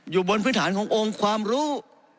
อยู่บนพื้นฐานขององค์ความรู้